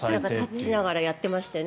立ちながらやってましたよね。